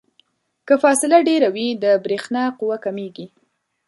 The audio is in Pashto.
که فاصله ډیره وي د برېښنا قوه کمیږي.